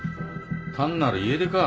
単なる家出か。